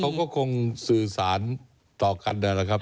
ผมว่าเขาก็คงสื่อสารต่อกันเนี่ยแหละครับ